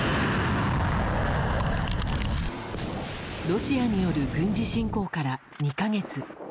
ロシアによる軍事侵攻から２か月。